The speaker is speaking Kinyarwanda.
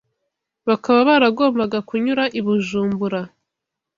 bakaba baragombaga kunyura i Bujumbura